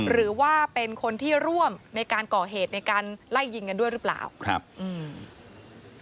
หรือว่าเป็นคนที่ร่วมในการก่อเหตุในการไล่ยิงกันด้วยหรือเปล่าครับอืม